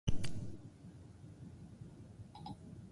Horrela, errebotean hobekuntza nabarmena izan dute arabarrek.